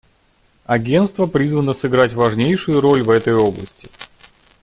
Агентство призвано сыграть важнейшую роль в этой области.